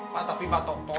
pak tapi pak toto